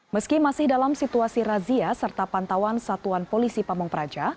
meski masih dalam situasi razia serta pantauan satuan polisi pamung praja